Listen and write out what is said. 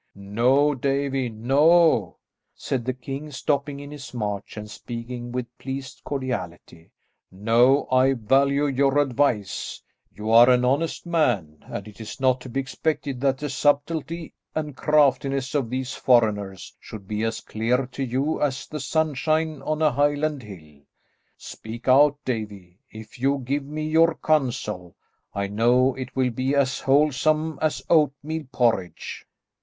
"No, Davie, no," said the king, stopping in his march and speaking with pleased cordiality, "no, I value your advice; you are an honest man, and it is not to be expected that the subtilty and craftiness of these foreigners should be as clear to you as the sunshine on a Highland hill. Speak out, Davie, and if you give me your counsel, I know it will be as wholesome as oatmeal porridge."